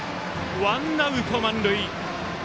ワンアウト満塁。